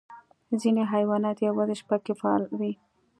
ځینې حیوانات یوازې شپه کې فعال وي.